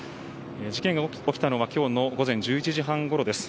事件が起きたのは今日の午前１１時半ごろです。